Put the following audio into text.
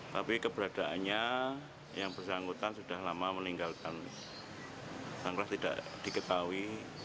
tapi keberadaannya yang bersangkutan sudah lama meninggalkan sangkrah tidak diketahui